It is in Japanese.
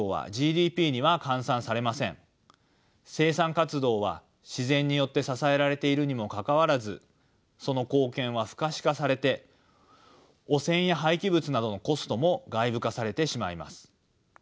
生産活動は自然によって支えられているにもかかわらずその貢献は不可視化されて汚染や廃棄物などのコストも外部化されてしまいます。